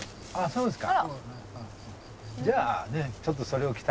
そうですね。